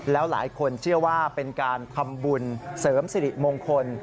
แล้วหลายคนเชื่อว่าเป็นการทำบุญเสริมสิริมงคล